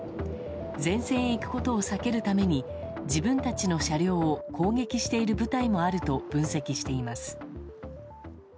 前線へ行くことを避けるために自分たちの車両を攻撃している部隊もあると分析しています。